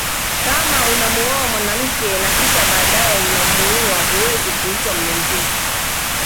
Kama unamuoa mwanamke na kisha baadae unamuua huwezi kuitwa mume mzuri